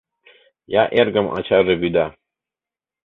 Я эргым ачаже вӱда...